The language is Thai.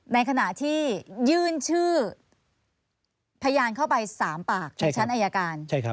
ในขณะที่ยื่นชื่อพยานเข้าไป๓ปากในชั้นอายการ